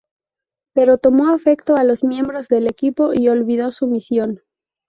Pero tomó afecto a los miembros del equipo y olvidó su misión.